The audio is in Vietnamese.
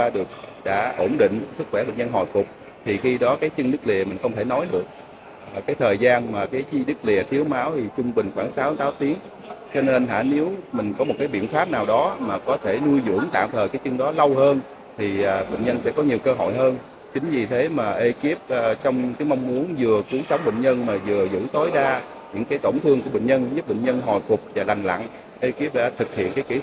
được biết phương pháp cấy ghép cẳng chân bên lành để nuôi dưỡng cho sức khỏe của người bệnh hồi phục để cấy ghép ở việt nam và trên thế giới chưa có tiền lệ